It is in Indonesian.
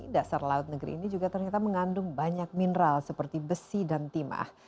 dasar laut negeri ini juga ternyata mengandung banyak mineral seperti besi dan timah